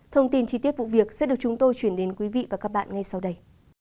thông tin chi tiết vụ việc sẽ được chúng tôi chuyển đến quý vị và các bạn ngay sau đây